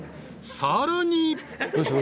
［さらに］